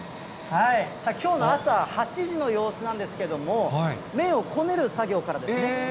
きょうの朝８時の様子なんですけれども、麺をこねる作業からですね。